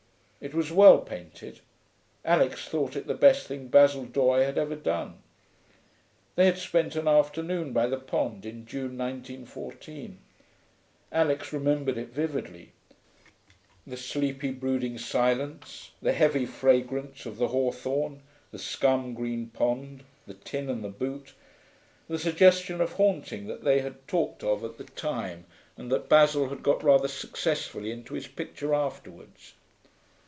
It was well painted; Alix thought it the best thing Basil Doye had ever done. They had spent an afternoon by the pond in June 1914; Alix remembered it vividly the sleepy, brooding silence, the heavy fragrance of the hawthorn, the scum green pond, the tin and the boot, the suggestion of haunting that they had talked of at the time and that Basil had got rather successfully into his picture afterwards.